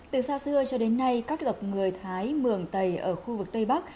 từ xa xưa cho đến nay các dọc người thái mường tây ở khu vực tây bắc